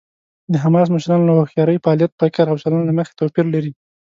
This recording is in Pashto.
د حماس مشران له هوښیارۍ، فعالیت، فکر او چلند له مخې توپیر لري.